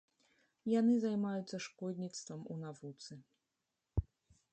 Яны займаюцца шкодніцтвам у навуцы.